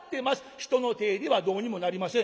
人の手ではどうにもなりません』」。